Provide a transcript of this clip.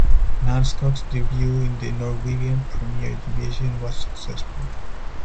Nannskogs debut in the Norwegian Premier Division was successful.